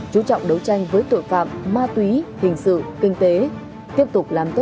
chú trọng đấu tranh với tội phạm ma tuyệt